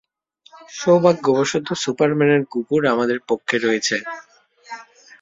সৌভাগ্যবশত, সুপারম্যানের কুকুর আমাদের পক্ষে রয়েছে।